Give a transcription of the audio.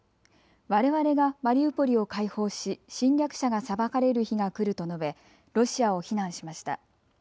われわれがマリウポリを解放し侵略者が裁かれる日が来ると述べロシアを非難しました。